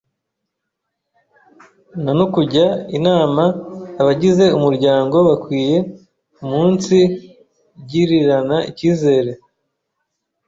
n a n o k ujya in a m a Abagize umuryango bakwiye umunsigirirana icyizere,